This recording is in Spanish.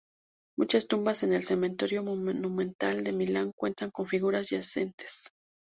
Muchas tumbas en el cementerio monumental de Milán cuentan con figuras yacentes.